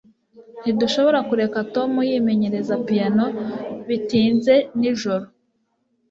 Ntidushobora kureka Tom yimenyereza piyano bitinze nijoro